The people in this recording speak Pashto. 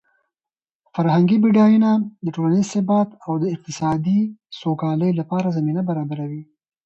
فرهنګي بډاینه د ټولنیز ثبات او د اقتصادي سوکالۍ لپاره زمینه برابروي.